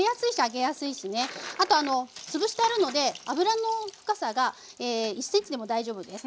あとあのつぶしてるので油の深さが１ｃｍでも大丈夫です。